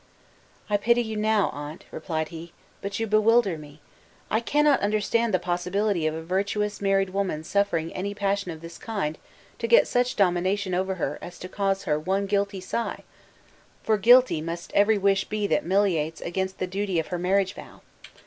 "I pity you now, aunt," replied he; "but you bewilder me. I cannot understand the possibility of a virtuous married woman suffering any passion of this kind to get such domination over her as to cause her one guilty sigh; for guilty must every wish be that militates against the duty of her marriage vow.